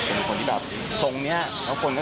เป็นคนที่ส้มแย่แล้วคนก็ชอบว่า